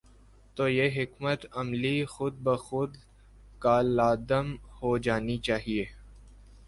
تو یہ حکمت عملی خود بخود کالعدم ہو جا نی چاہیے۔